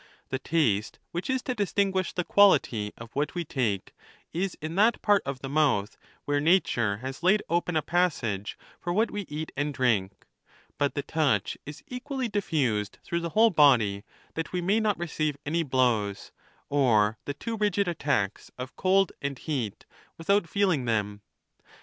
The taste, which is to distinguish the quality of what we take, is in that part of the mouth where nature has laid open a passage for what we eat and drink. Bnt the touch is equally diffused through the whole body, that we may not receive any blows, or the too rigid attacks of cold and heat, without feeling them.